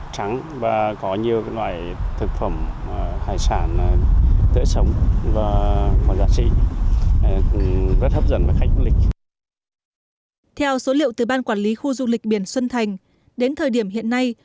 theo số liệu từ ban quản lý khu du lịch biển xuân thành đến thời điểm hiện nay